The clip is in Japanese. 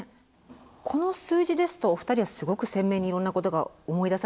この数字ですとお二人はすごく鮮明にいろんなことが思い出されますよね？